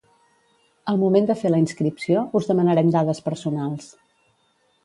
Al moment de fer la inscripció, us demanarem dades personals.